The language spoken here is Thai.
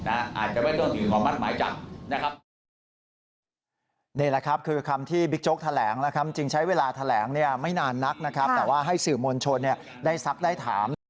อาจจะไม่ต้องถึงความมั่นไม้จับ